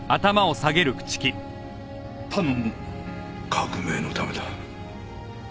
革命のためだ。